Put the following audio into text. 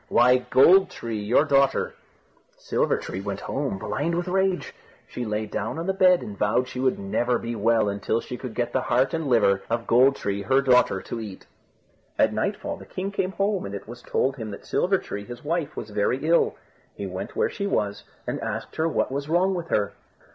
"Why, Gold tree, your daughter." Silver tree went home, blind with rage. She lay down on the bed, and vowed she would never be well until she could get the heart and the liver of Gold tree, her daughter, to eat. At nightfall the king came home, and it was told him that Silver tree, his wife, was very ill. He went where she was, and asked her what was wrong with her.